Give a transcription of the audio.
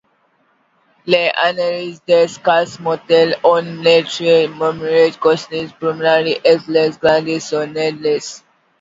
L'analyse des cas mortels a montré des hémorragies cutanées, pulmonaires et les glandes surrénales.